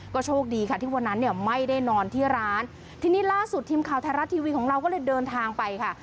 ก็โชคดีค่ะที่วันนั้นเนี่ยไม่ได้นอนที่ร้านทีนี้ล่าสุดทีมข่าวไทยรัฐทีวีของเราก็เลยเดินทางไปค่ะ